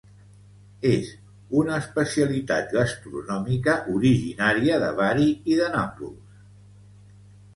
És una especialitat gastronòmica originària de Bari i de Nàpols.